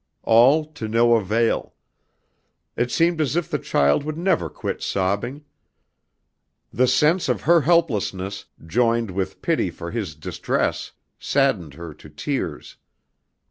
All to no avail. It seemed as if the child would never quit sobbing. The sense of her helplessness joined with pity for his distress saddened her to tears.